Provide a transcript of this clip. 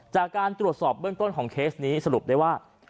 จากการตรวจสอบเบื้องต้นของเคสนี้สรุปได้ว่า